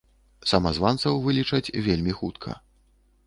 Самазванцаў вылічаць вельмі хутка.